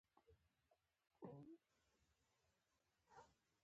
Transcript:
نرسې پوښتنه وکړه: تشناب خو نه استعمالوې؟